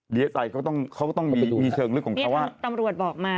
รีเอะไตเขาก็ต้องมีเชิงลึกของเขาว่านี่ครับตำรวจบอกมา